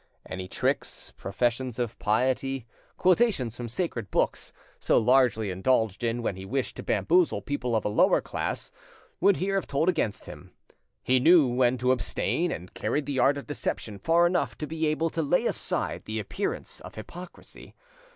Any tricks, profession of piety, quotations from sacred books, so largely indulged in when he wished to bamboozle people of a lower class, would here have told against him. He knew when to abstain, and carried the art of deception far enough to be able to lay aside the appearance of hypocrisy.